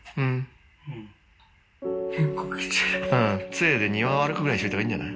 つえで庭を歩くぐらいにしといた方がいいんじゃない？